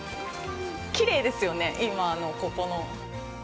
きれいですよね、今の、ここの。